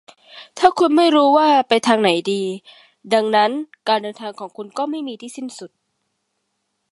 ถ้าคุณไม่รู้ว่าจะไปทางไหนดี ดังนั้นการเดินทางของคุณก็ไม่มีที่สิ้นสุด